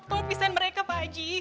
tolong pisahin mereka pak haji